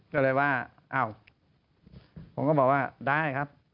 ก็เลยว่าอ้าวผมก็บอกว่าได้ครับ